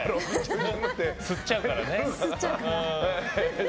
吸っちゃうからね。